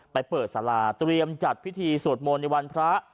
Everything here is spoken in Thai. ไปเปิดสาราเตรียมจัดพิธีสวดมนต์ในวันพระ